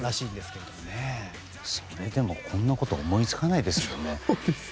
それでも、こんなこと思いつかないですよね。